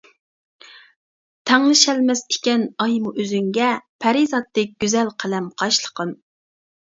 تەڭلىشەلمەس ئىكەن ئايمۇ ئۆزۈڭگە، پەرىزاتتەك گۈزەل قەلەم قاشلىقىم.